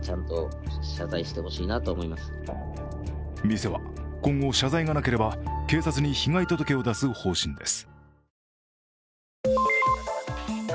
店は今後謝罪がなければ警察に被害届を出す方針です。